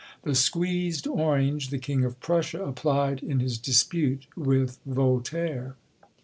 "The squeezed orange," the King of Prussia applied in his dispute with Voltaire.